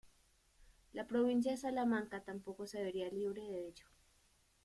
La provincia de Salamanca tampoco se vería libre de ello.